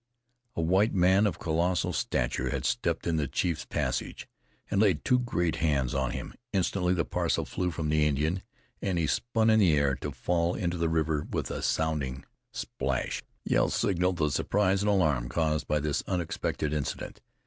A white man of colossal stature had stepped in the thief's passage, and laid two great hands on him. Instantly the parcel flew from the Indian, and he spun in the air to fall into the river with a sounding splash. Yells signaled the surprise and alarm caused by this unexpected incident.